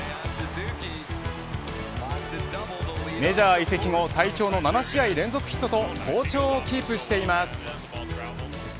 メジャー移籍後最長の７試合連続ヒットと好調をキープしています。